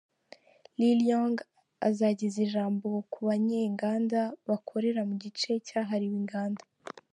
Li Yong azageza ijambo ku banyenganda bakorera mu gice cyahariwe inganda.